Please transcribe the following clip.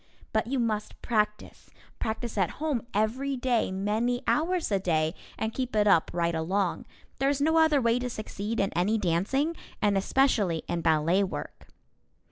But you must practice, practice at home, every day, many hours a day, and keep it up right along. There is no other way to succeed in any dancing, and especially in ballet work.